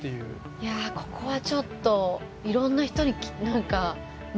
いやここはちょっといろんな人に何か見てほしい。